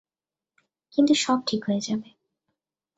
কিন্তু সব ঠিক হয়ে যাবে।